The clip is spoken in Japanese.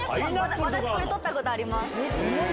私取ったことあります。